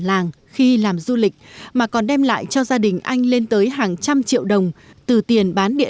làng khi làm du lịch mà còn đem lại cho gia đình anh lên tới hàng trăm triệu đồng từ tiền bán địa